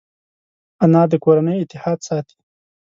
انا د کورنۍ اتحاد ساتي